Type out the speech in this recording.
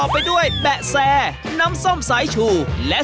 มัดมันกันแตกแล้ว